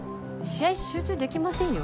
試合集中できませんよ。